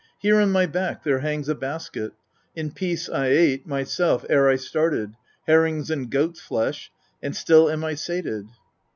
Here on my back there hangs a basket ; in peace I ate, myself, ere I started, herrings and goat's flesh, and still am I sated.